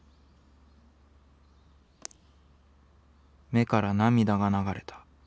「目から涙がながれた。